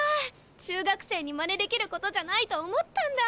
中学生にまねできることじゃないと思ったんだ。